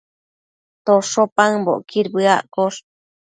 tosho paëmbocquid bëaccosh